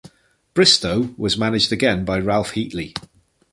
Bristow was managed again by Ralph Heatley.